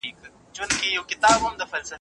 زه بايد کار وکړم.